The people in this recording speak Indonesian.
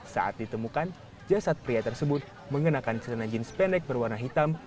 saat ditemukan jasad pria tersebut mengenakan cerana jeans pendek berwarna hitam